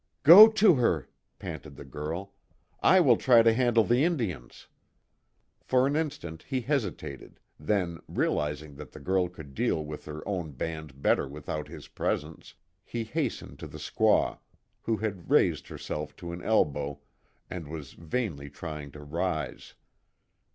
"Go to her," panted the girl, "I will try to handle the Indians." For an instant he hesitated, then, realizing that the girl could deal with her own band better without his presence, he hastened to the squaw who had raised herself to an elbow and was vainly trying to rise.